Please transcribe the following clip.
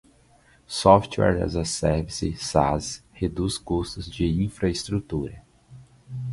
Software as a Service (SaaS) reduz custos de infraestrutura.